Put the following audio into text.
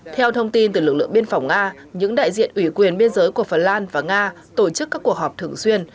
theo thông tin từ lực lượng biên phòng nga những đại diện ủy quyền biên giới của phần lan và nga tổ chức các cuộc họp thường xuyên